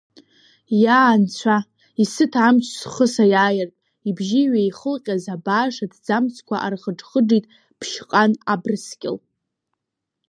Иа, Анцәа, исыҭ амч схы саиааиртә, ибжьы иҩеихылҟьаз, абааш аҭӡамцқәа архыџ-хыџит Ԥшьҟан Абрскьыл.